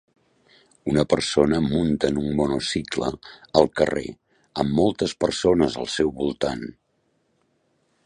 Una persona munta en un monocicle al carrer amb moltes persones al seu voltant.